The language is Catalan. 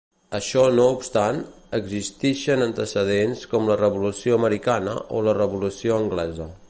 Això no obstant, existixen antecedents com la Revolució Americana o la Revolució Anglesa.